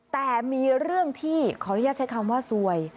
แต่มีเรื่องที่ขออนุญาตใช้คำว่าซวย